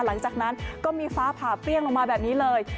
หลังจากนั้นก็มีฟ้าผ่าเปรี้ยงลงมาแบบนี้เลย